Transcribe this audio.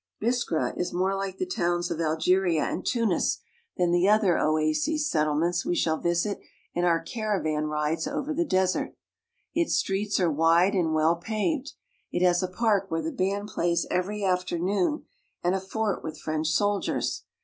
Biskra is more like the towns of Algeria and Tunis than [ the other oases settlements we shall visit in our caravan I rides over the desert. Its streets are wide and well paved; I it has a park where the band plays every afternoon, and a I fort with French soldiers.